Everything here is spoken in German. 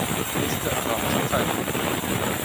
Liste arabischer Zeitungen